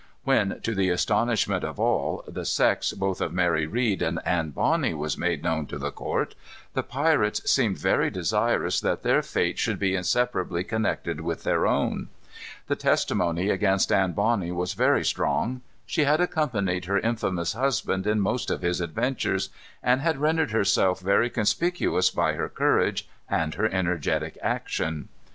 When, to the astonishment of all, the sex both of Mary Read and Anne Bonny was made known to the court, the pirates seemed very desirous that their fate should be inseparably connected with their own. The testimony against Anne Bonny was very strong. She had accompanied her infamous husband in most of his adventures, and had rendered herself very conspicuous by her courage and her energetic action.